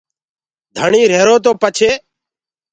ڌڻيٚ روهيرو تو پڇي